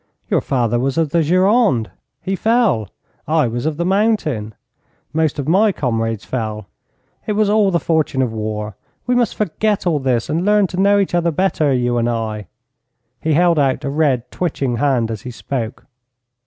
Your father was of the Gironde. He fell. I was of the mountain. Most of my comrades fell. It was all the fortune of war. We must forget all this and learn to know each other better, you and I.' He held out a red, twitching hand as he spoke.